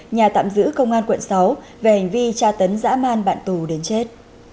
nhà tạm giữ công an quận sáu về hành vi tra tấn dã man bạn tù đến chết